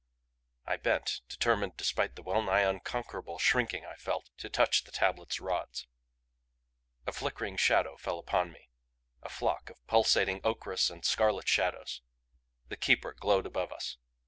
I bent, determined, despite the well nigh unconquerable shrinking I felt, to touch the tablet's rods. A flickering shadow fell upon me; a flock of pulsating ochreous and scarlet shadows The Keeper glowed above us!